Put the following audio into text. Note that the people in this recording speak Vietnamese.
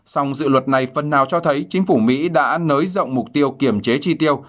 song dự luật này phần nào cho thấy chính phủ mỹ đã nới rộng mục tiêu kiểm chế chi tiêu